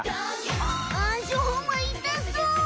しょうまいたそう。